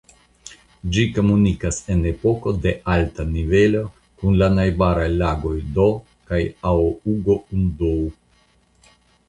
Ĝi komunikas en epoko de alta nivelo kun la najbaraj lagoj Do kaj Aougoundou.